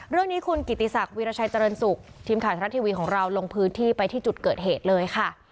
เรื่องนี้คุณกิติศักดิราชัยเจริญสุขทีมข่าวทรัฐทีวีของเราลงพื้นที่ไปที่จุดเกิดเหตุเลยค่ะ